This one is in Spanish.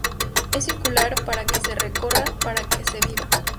Es circular, para que se recorra, para que se viva.